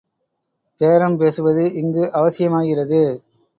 பேரம் பேசுவது இங்கு அவசியமாகிறது.